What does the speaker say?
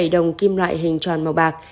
bảy mươi bảy đồng kim loại hình tròn màu bạc